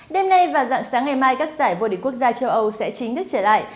đêm nay và dạng sáng ngày mai các giải vô địch quốc gia châu âu sẽ chính thức trở lại